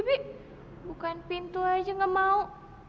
tapi bukan pintu aja gak mau